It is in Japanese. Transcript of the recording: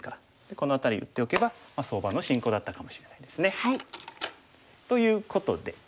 この辺り打っておけば相場の進行だったかもしれないですね。ということで。